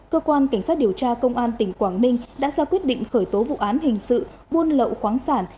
cơ quan cảnh sát điều tra công an tỉnh quảng ninh đã ra quyết định khởi tố vụ án hình sự buôn lậu khoáng sản